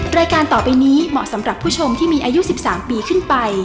รายการต่อไปนี้เหมาะสำหรับผู้ชมที่มีอายุ๑๓ปีขึ้นไป